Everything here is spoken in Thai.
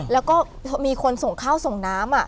แล้วก็มีคนส่งข้าวส่งน้ำ